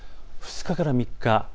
２日から３日。